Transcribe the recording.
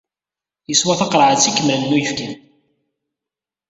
Yeswa taqerɛet ikemlen n uyefki.